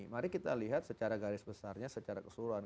mari kita lihat secara garis besarnya secara keseluruhan